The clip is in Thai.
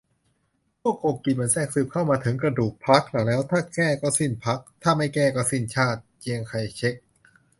"พวกโกงกินมันแทรกซึมเข้ามาถึงกระดูกพรรคเราแล้ว ถ้าแก้ ก็สิ้นพรรค ถ้าไม่แก้ ก็สิ้นชาติ" - เจียงไคเช็ก